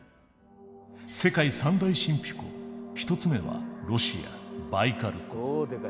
世界三大神秘湖一つ目はロシアバイカル湖。